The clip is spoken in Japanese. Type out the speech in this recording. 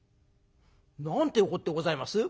「何ていうこってございます？」。